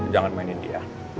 jangan mainin dia